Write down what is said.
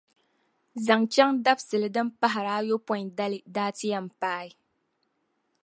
Zaŋ chaŋ dabisili din pahiri ayopɔin dali daa ti yɛn paai.